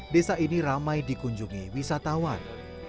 dua ribu tujuh belas desa ini ramai dikunjungi wisatawan